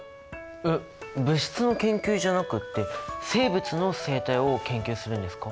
えっ物質の研究じゃなくって生物の生態を研究するんですか？